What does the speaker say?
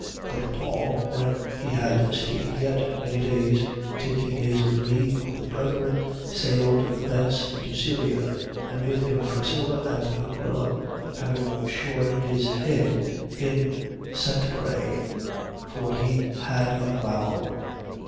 18:18. But Paul, when he had stayed yet many days, taking his leave of the brethren, sailed thence into Syria (and with him Priscilla and Aquila), having shorn his head in Cenchrae. For he had a vow.